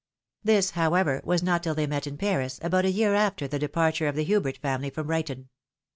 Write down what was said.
This, however, was not till they met in Paris, about a year after the departure of the Hubert family from Brighton.